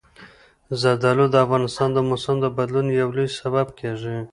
زردالو د افغانستان د موسم د بدلون یو لوی سبب کېږي.